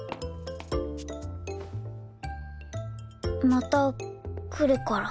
また来るから。